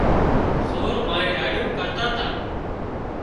سور مانئين راڙيون ڪرتا تا